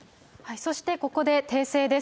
そしてここで訂正です。